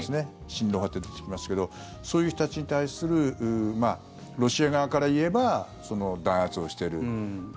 親ロ派って出てきますけどそういう人たちに対するロシア側からいえば弾圧をしている。